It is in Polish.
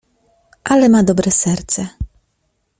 "Ale ma dobre serce."